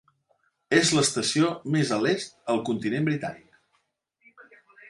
És l'estació més a l'est al continent britànic.